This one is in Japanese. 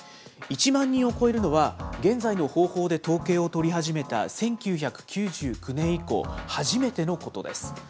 １万人を超えるのは、現在の方法で統計を取り始めた１９９９年以降、初めてのことです。